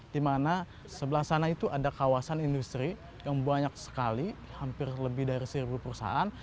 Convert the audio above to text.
di mana sebelah sana itu ada kawasan industri yang banyak sekali hampir lebih dari seribu perusahaan